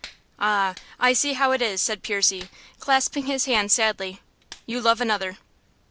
"Ah! I see how it is," said Percy, clasping his hands sadly. "You love another."